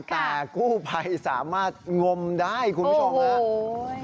แต่กู้ไพสามารถงมได้คุณผู้ชม